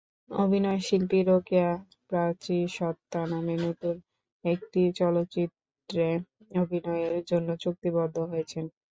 অভিনয়শিল্পী রোকেয়া প্রাচী সত্তা নামে নতুন একটি চলচ্চিত্রে অভিনয়ের জন্য চুক্তিবদ্ধ হয়েছেন।